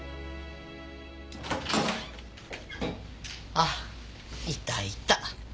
あっいたいた。